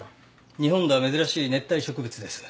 日本では珍しい熱帯植物です。